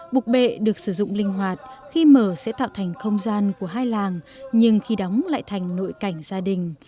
bục bệ được sử dụng linh hoạt khi mở sẽ tạo thành không gian của hai làng nhưng khi đóng lại thành nội cảnh gia đình